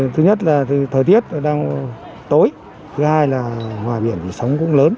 thứ nhất là thời tiết đang tối thứ hai là ngoài biển sóng cũng lớn